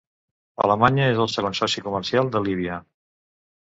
Alemanya és el segon soci comercial de Líbia.